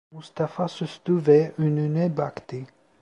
Mustafa sustu ve önüne baktı.